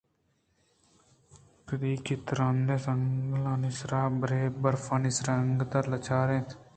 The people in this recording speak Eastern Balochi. کدی آ ترٛندیں سنگانی سرا ءُبرےبرفانی سر انندگ ءَ لاچار اَت